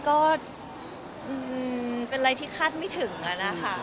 ก็มันก็เป็นอะไรที่คาดไม่ถึงนะค่ะ